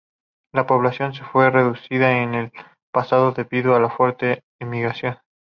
La población se fue reduciendo en el pasado debido a la fuerte emigración.